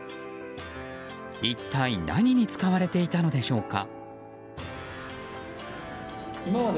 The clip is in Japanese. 一体、何に使われていたのでしょうか。